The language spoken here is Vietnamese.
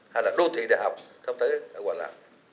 hay là đô thị đại học thông tế ở hòa lạc